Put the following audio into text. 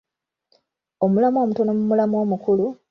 Omulamwa omutono mu mulamwa omukulu